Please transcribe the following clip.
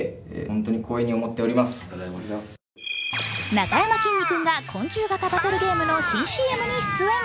なかやまきんに君が昆虫型バトルゲームの新ＣＭに出演。